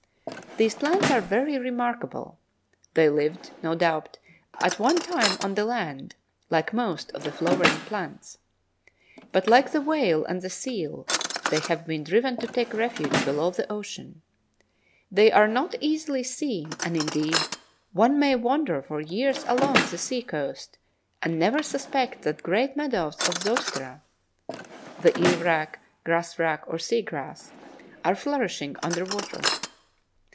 These plants are very remarkable. They lived, no doubt, at one time on the land, like most of the flowering plants. But, like the whale and the seal, they have been driven to take refuge below the ocean. They are not easily seen, and, indeed, one may wander for years along the sea coast and never suspect that great meadows of Zostera (the Eelwrack, Grasswrack, or Sea grass) are flourishing under water.